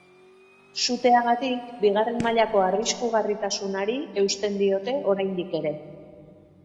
Suteagatik, bigarren mailako arriskugarritasunari eusten diote oraindik ere.